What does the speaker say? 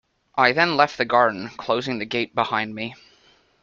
I then left the garden, closing the gate behind me.